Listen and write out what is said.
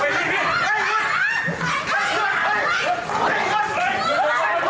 นี่นี่นี่นี่นี่นี่